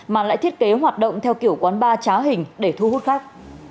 mà lại thiết kế hoạt động theo kiểu quán ba trá hình để thu hút khách